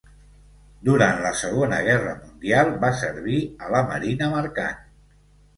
Durant la segona guerra mundial va servir a la marina mercant.